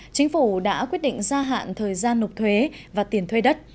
chính phủ đã quyết định gia hạn thời gian nộp thuế và tiền thuê đất